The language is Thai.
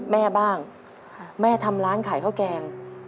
แม่บ้างแม่ทำร้านขายข้าวแกง